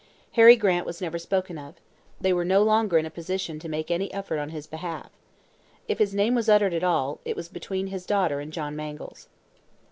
Harry Grant was never spoken of; they were no longer in a position to make any effort on his behalf. If his name was uttered at all, it was between his daughter and John Mangles.